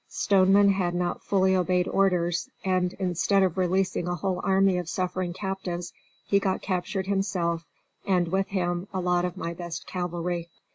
Stoneman had not fully obeyed orders, and, instead of releasing a whole army of suffering captives, he got captured himself, and, with him, a lot of my best cavalry."